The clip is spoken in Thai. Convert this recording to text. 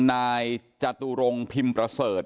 นายจตุรงพิมพ์ประเสริฐ